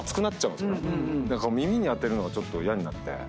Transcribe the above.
だから耳に当てるのがちょっと嫌になって。